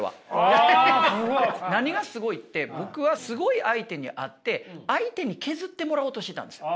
何がすごいって僕はすごい相手に会って相手に削ってもらおうとしてたんです。